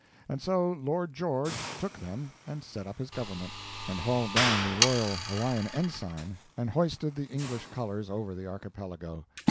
And so Lord George took them and set up his Government, and hauled down the royal Hawaiian ensign and hoisted the English colors over the archipelago.